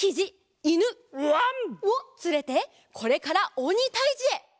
わん！をつれてこれからおにたいじへ！